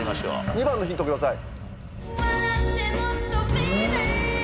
２番のヒント下さい。